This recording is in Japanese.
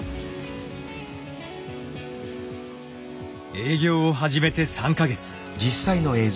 営業を始めて３か月。